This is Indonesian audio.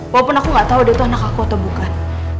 walaupun aku nggak tahu dia itu anak aku atau bukan